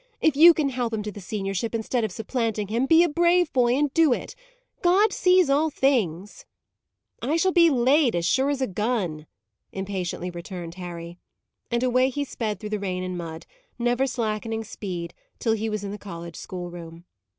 If you can help him to the seniorship instead of supplanting him, be a brave boy, and do it. God sees all things." "I shall be late, as sure as a gun!" impatiently returned Harry. And away he sped through the rain and mud, never slackening speed till he was in the college schoolroom.